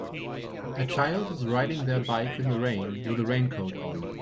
A child is riding their bike in the rain with a raincoat on.